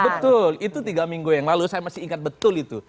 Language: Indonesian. betul itu tiga minggu yang lalu saya masih ingat betul itu